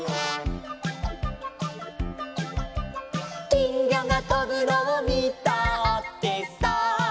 「きんぎょがとぶのをみたってさ」